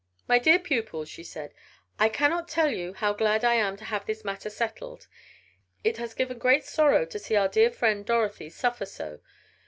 "My dear pupils," she said, "I cannot tell you how glad I am to have this matter settled. It has given great sorrow to see our dear friend Dorothy suffer so.